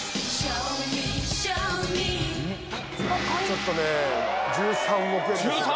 ちょっとね１３億円ですが。